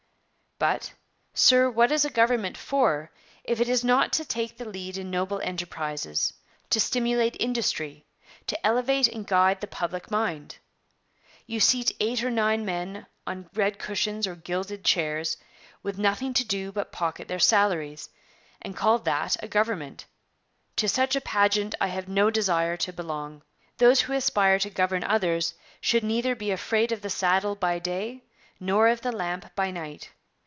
But, sir, what is a government for, if it is not to take the lead in noble enterprises; to stimulate industry; to elevate and guide the public mind? You seat eight or nine men on red cushions or gilded chairs, with nothing to do but pocket their salaries, and call that a government. To such a pageant I have no desire to belong. Those who aspire to govern others should neither be afraid of the saddle by day nor of the lamp by night.